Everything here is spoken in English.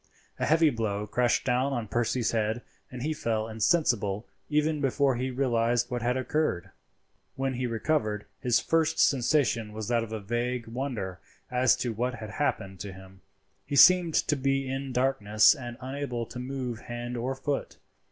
A heavy blow crashed down on Percy's head, and he fell insensible even before he realized what had occurred. When he recovered, his first sensation was that of a vague wonder as to what had happened to him. He seemed to be in darkness and unable to move hand or foot.